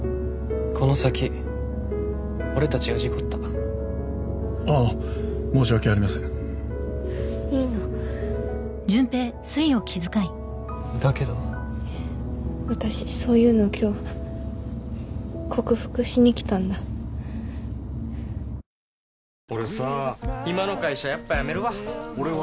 この先俺たちが事故ったああ申し訳ありませんいいのだけど私そういうの今日克服しに来たんだバタバタ過ぎていく毎日でもはい！